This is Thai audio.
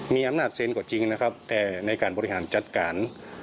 มีอำนาจเซ็นกว่าจริงนะครับแต่ในการบริหารจัดการ